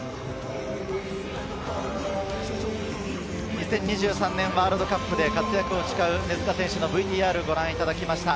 ２０２３年ワールドカップで活躍を誓う根塚選手のＶＴＲをご覧いただきました。